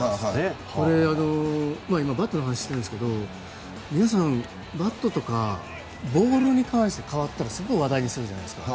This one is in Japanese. これ、今、バットの話をしているんですが皆さんバットとかボールに関して変わったらすごく話題にするじゃないですか。